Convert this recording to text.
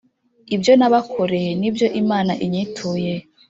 ibyo nabakoreye ni byo imana inyituye.